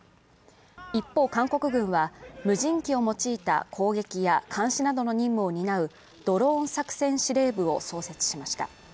一方、韓国軍は無人機を用いた攻撃や監視などの任務を担うドローン作戦司令部を創設しました。